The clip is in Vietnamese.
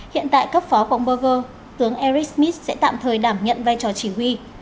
hiện tại cấp phó của ông berger tướng eric smith sẽ tạm thời đảm nhận vai trò chỉ huy